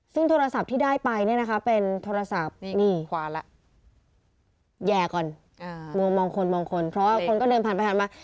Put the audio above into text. ซึ่งโทรศัพท์ที่ได้ไปเนี่ยนะคะเป็นโทรศัพท์นี่ขวาละแย่ก่อนมองคนมองคนเพราะว่าคนก็เดินผ่านไปผ่านมา